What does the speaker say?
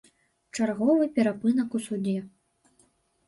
Чарговы перапынак у судзе.